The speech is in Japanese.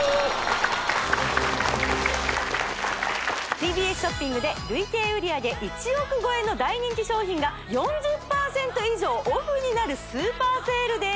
ＴＢＳショッピングで累計売上１億超えの大人気商品が４０％以上オフになるスーパーセールです